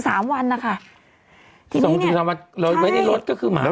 ๒๓วันไว้ในรถก็คือหมาตาย